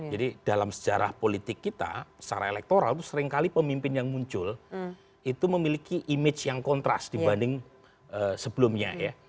jadi dalam sejarah politik kita secara elektoral itu seringkali pemimpin yang muncul itu memiliki image yang kontras dibanding sebelumnya ya